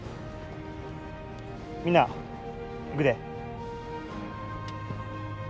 みんな行くで。